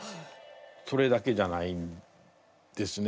それだけじゃないんですね。